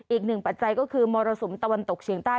อีกหนึ่งปัจจัยก็คือมรสุมตะวันตกเฉียงใต้